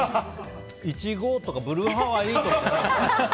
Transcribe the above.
イチゴとかブルーハワイとか。